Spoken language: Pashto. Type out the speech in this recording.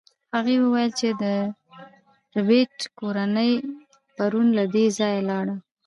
هغې وویل چې د ربیټ کورنۍ پرون له دې ځایه لاړه